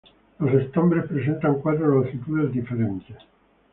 Los estambres presentan cuatro longitudes diferentes.